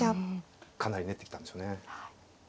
かなり練ってきたんでしょうね。